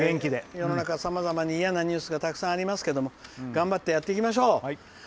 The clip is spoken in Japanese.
世の中、さまざまに嫌なニュースがたくさんありますけど頑張ってやっていきましょう。